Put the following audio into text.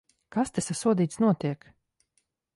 Kas te, sasodīts, notiek?